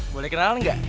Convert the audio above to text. boleh kenal gak